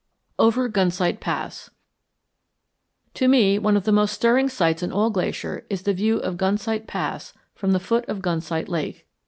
OVER GUNSIGHT PASS To me one of the most stirring sights in all Glacier is the view of Gunsight Pass from the foot of Gunsight Lake.